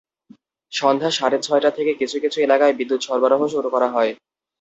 সন্ধ্যা সাড়ে ছয়টা থেকে কিছু কিছু এলাকায় বিদ্যুৎ সরবরাহ শুরু করা হয়।